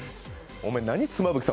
お前、何、妻夫木さん